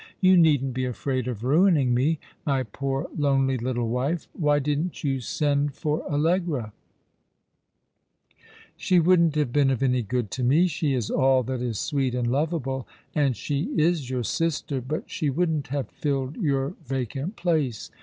You needn't be afraid of niining me. My poor lonely little wife. Why didn't you send for Allegra ?"" She wouldn't have been of any good to me. She is all that is sweet and lovable, and she is your sister ; but she wouldn't have filled your vacant place.